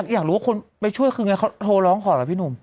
อยากรู้ว่าคนไปช่วยคือไงเขาโทรร้องขอล่ะพี่หนุ่ม